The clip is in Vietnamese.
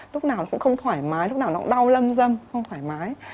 lúc nào nó cũng không thoải mái lúc nào nó cũng đau lâm dâm không thoải mái